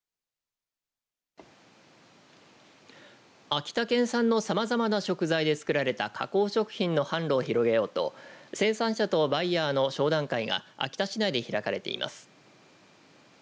秋田県産のさまざまな食材で作られた加工食品の販路を広げようと生産者とバイヤーの商談会が秋田市内で開かれています。